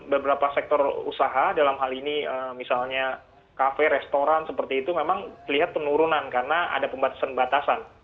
beberapa sektor usaha dalam hal ini misalnya kafe restoran seperti itu memang terlihat penurunan karena ada pembatasan batasan